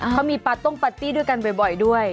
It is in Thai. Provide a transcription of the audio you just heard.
เขามีปาต้งปาร์ตี้ด้วยกันบ่อยด้วย